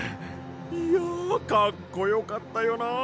いやかっこよかったよな！